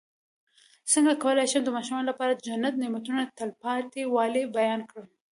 څنګه کولی شم د ماشومانو لپاره د جنت د نعمتو تلپاتې والی بیان کړم